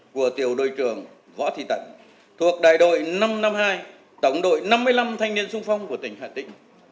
của tiểu đội trưởng võ thị tần thuộc đại đội năm trăm năm mươi hai tổng đội năm mươi năm thanh niên sung phong của tỉnh hà tĩnh